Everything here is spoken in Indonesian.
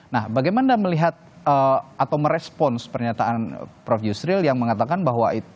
nah bagaimana melihat atau merespons pernyataan prof yusril yang mengatakan bahwa